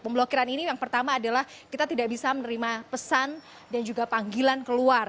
pemblokiran ini yang pertama adalah kita tidak bisa menerima pesan dan juga panggilan keluar